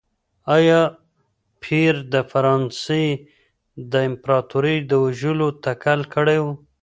ایا پییر د فرانسې د امپراتور د وژلو تکل کړی و؟